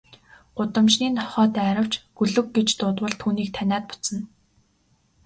Гудамжны нохой дайравч, гөлөг гэж дуудвал түүнийг таниад буцна.